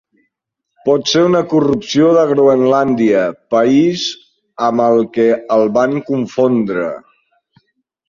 Pot ser una corrupció de "Groenlàndia", país amb el que el van confondre.